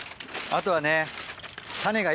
あとはね。